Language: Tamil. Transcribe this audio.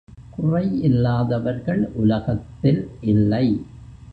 குறை இல்லாதவர்கள் உலகத்தில் இல்லை.